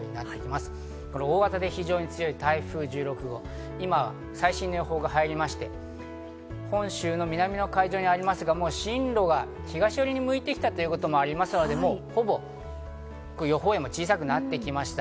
大型で非常に強い台風１６号、今、最新の予報が入りまして、本州の南の海上にありますが、もう進路が東寄りに向いてきたということもありますので、ほぼ予報円も小さくなってきました。